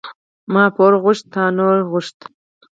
ـ ما پور غوښته تا نور غوښته.